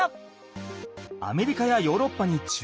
アメリカやヨーロッパに中南米。